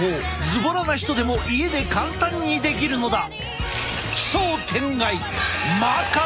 ずぼらな人でも家で簡単にできるのだ！